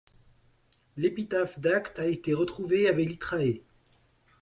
L’épitaphe d’Acte a été retrouvée à Velitrae.